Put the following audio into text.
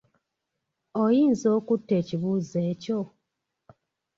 Oyinza okutta ekibuuzo ekyo?